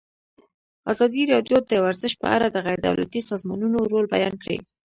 ازادي راډیو د ورزش په اړه د غیر دولتي سازمانونو رول بیان کړی.